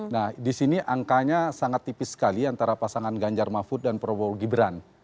nah di sini angkanya sangat tipis sekali antara pasangan ganjar mahfud dan prabowo gibran